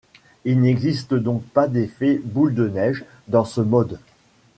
Il n'existe donc pas d'effet boule de neige dans ce mode.